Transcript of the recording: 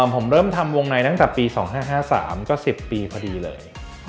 ผมเริ่มทำวงในตั้งแต่ปี๒๕๕๓ก็๑๐ปีพอดีเลย